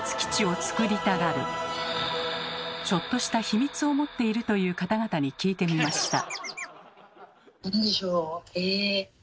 ちょっとした秘密を持っているという方々に聞いてみました。